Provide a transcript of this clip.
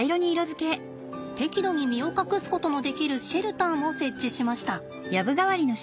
適度に身を隠すことのできるシェルターも設置しました。